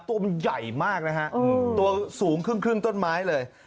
ตัวมันใหญ่มากนะฮะตัวสูงครึ่งต้นไม้เลย